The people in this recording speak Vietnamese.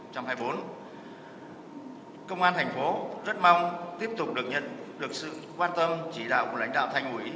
công an thành phố rất mong tiếp tục được nhận được sự quan tâm chỉ đạo của lãnh đạo thành ủy